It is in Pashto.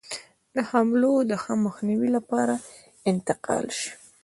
د حملو د ښه مخنیوي لپاره انتقال شي.